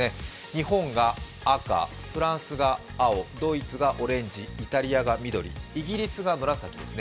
日本が赤、フランスが青、ドイツがオレンジ、イタリアが緑、イギリスが紫です。